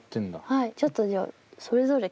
はいちょっとじゃあそれぞれ。